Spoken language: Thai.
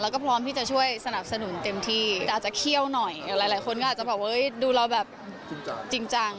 แล้วก็พร้อมที่จะช่วยสนับสนุนเต็มที่แต่อาจจะเคี่ยวหน่อยหลายคนก็อาจจะแบบเฮ้ยดูเราแบบจริงจัง